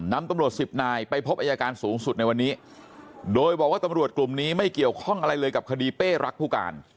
ตำรวจสิบนายไปพบอายการสูงสุดในวันนี้โดยบอกว่าตำรวจกลุ่มนี้ไม่เกี่ยวข้องอะไรเลยกับคดีเป้รักผู้การ